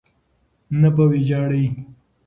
نه په ویجاړۍ.